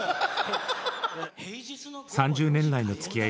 ３０年来のつきあいの２人。